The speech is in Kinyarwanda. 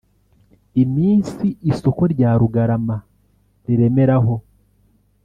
iminsi isoko rya Rugarama riremera ho